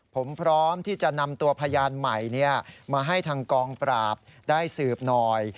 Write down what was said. ผมพร้อมที่จะนำตัวพยานใหม่มาให้ทางกองปราบได้สืบหน่อย